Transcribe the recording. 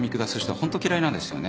ホント嫌いなんですよね。